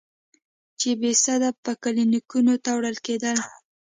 چې بېسده به کلينيکو ته وړل کېدل.